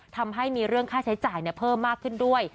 ทำให้มีเรื่องค่าใช้จ่ายเพิ่มมากขึ้นด้วย